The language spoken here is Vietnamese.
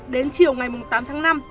đến chiều ngày tám tháng năm